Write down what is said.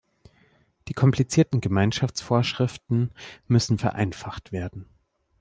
Die komplizierten Gemeinschaftsvorschriften müssen vereinfacht werden.